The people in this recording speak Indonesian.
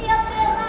iya boleh pak